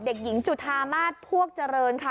เด็กหญิงจุธามาศพวกเจริญค่ะ